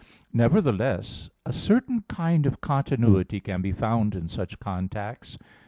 Nevertheless a certain kind of continuity can be found in such contacts.